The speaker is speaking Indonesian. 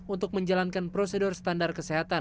untuk menjalankan prosedur standar kesehatan